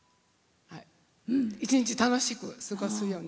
１日、楽しく過ごせるように。